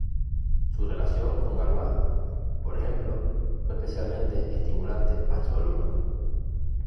Su relación con Galois, por ejemplo, fue especialmente estimulante para su alumno.